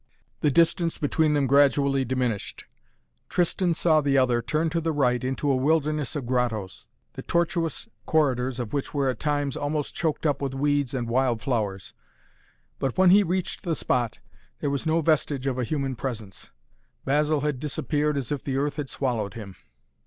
The distance between them gradually diminished. Tristan saw the other turn to the right into a wilderness of grottoes, the tortuous corridors of which were at times almost choked up with weeds and wild flowers, but when he reached the spot, there was no vestige of a human presence. Basil had disappeared as if the earth had swallowed him.